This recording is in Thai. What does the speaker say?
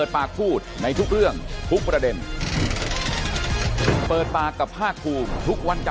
มันแถมนกพิราบด้วย